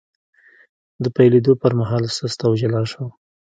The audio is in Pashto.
د پیلېدو پر مهال سست او جلا شو،